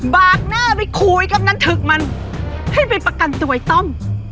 กหน้าไปคุยกับกำนันถึกมันให้ไปประกันตัวไอ้ต้อม